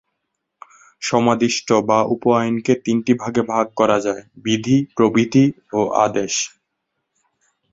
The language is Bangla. সমাদিষ্ট বা উপ-আইনকে তিনটি ভাগে ভাগ করা যায়, বিধি, প্রবিধি ও আদেশ।